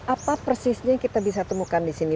apa persisnya yang kita bisa temukan di sini